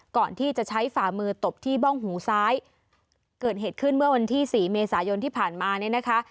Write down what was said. ก่อนที่จะใช้ฝ่ามือตบที่บ้องหูซ้ายเกิดเหตุขึ้นเมื่อวันที่สี่เมษายนที่ผ่านมาเนี่ยนะคะ